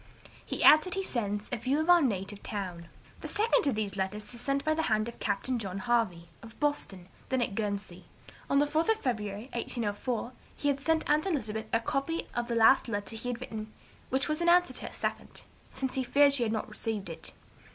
He adds that he sends 'a view of our native town.' "The second of these letters is sent by the hand of Captain John Harvey, of Boston, then at Guernsey. On the 4th of February, 1804, he had sent aunt Elizabeth a copy of the last letter he had written (which was in answer to her second), since he feared she had not received it.